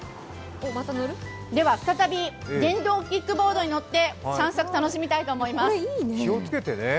では再び電動キックボードに乗って散策楽しみたいと思います。